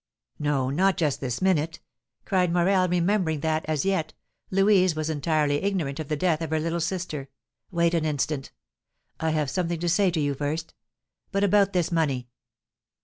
"No, not just this minute!" cried Morel, remembering that, as yet, Louise was entirely ignorant of the death of her little sister; "wait an instant. I have something to say to you first. But about this money?"